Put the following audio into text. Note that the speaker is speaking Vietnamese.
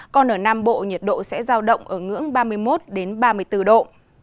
còn ở nam bộ nhiệt độ sẽ giao động ở ngưỡng ba mươi một ba mươi bốn độ